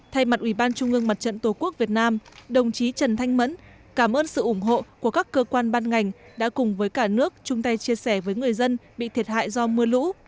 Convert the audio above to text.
thay mặt ủy ban trung ương mặt trận tổ quốc việt nam đồng chí trần thanh mẫn cảm ơn sự ủng hộ của các cơ quan ban ngành đã cùng với cả nước chung tay chia sẻ với người dân bị thiệt hại do mưa lũ